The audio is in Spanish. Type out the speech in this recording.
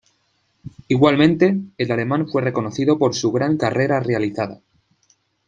Igualmente, el alemán fue reconocido por su gran carrera realizada.